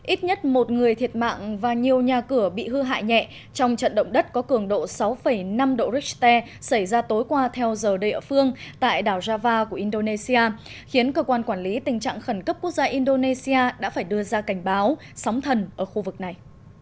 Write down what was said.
ít nhất một người thiệt mạng và nhiều nhà cửa bị hư hại nhẹ trong trận động đất có cường độ sáu năm độ richter xảy ra tối qua theo giờ địa phương tại đảo java của indonesia khiến cơ quan quản lý tình trạng khẩn cấp quốc gia indonesia đã phải đưa ra cảnh báo sóng thần ở khu vực này